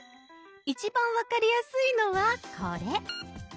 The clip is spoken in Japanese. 一番分かりやすいのはこれ。